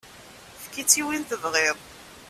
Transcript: Efk-itt i win i tebɣiḍ.